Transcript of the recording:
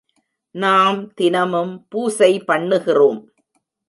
நாம் தினமும் பூசை பண்ணுகிறோம்.